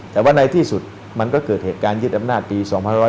แต่ว่าในที่สุดมันก็เกิดเหตุการณ์ยึดอำนาจปี๒๕๖๒